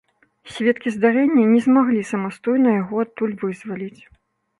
Сведкі здарэння не змаглі самастойна яго адтуль вызваліць.